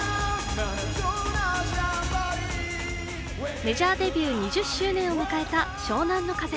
メジャーデビュー２０周年を迎えた湘南乃風。